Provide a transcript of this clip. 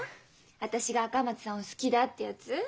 私が赤松さんを好きだってやつ？